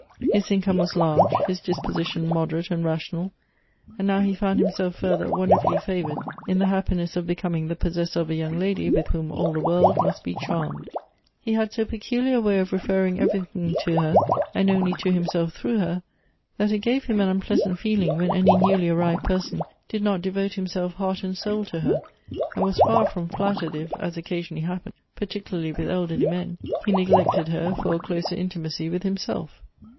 His income was large, his disposition mod erate and rational, and now he found himself fui thcr wonderfully favored in the happiness of becoming the possessor of a young lady with whom all the world must be charmed. He had so peculiar a way of referring everything to her, and only to himself through her, that it gave him au unpleasant feeling when any newly arrived person did not devote himself heart and soul to her, and was far from flattered if, as occasionally happened, par ticularly with elderly men, he neglected her for a closer intimacy with himself.